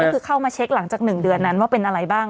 ก็คือเข้ามาเช็คหลังจาก๑เดือนนั้นว่าเป็นอะไรบ้าง